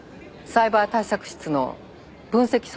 サイバー対策室の分析